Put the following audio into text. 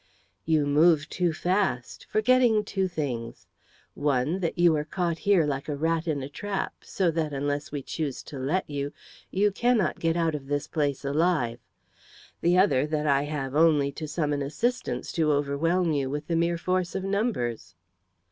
"You move too fast, forgetting two things one, that you are caught here like a rat in a trap, so that, unless we choose to let you, you cannot get out of this place alive; the other, that I have only to summon assistance to overwhelm you with the mere force of numbers."